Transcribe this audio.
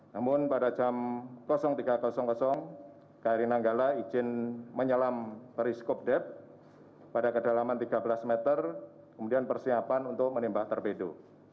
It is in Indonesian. namun pada jam tiga kri nanggala izin menyelam periskop dep pada kedalaman tiga belas meter kemudian persiapan untuk menembak torpedo